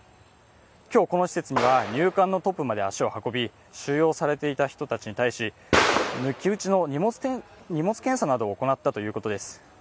今日、この施設には、入管のトップまで足を運び収容されていた人たちに対し、抜き打ちの荷物検査などを行ったということです。